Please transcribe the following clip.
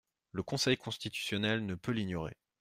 Le Conseil constitutionnel ne peut l’ignorer.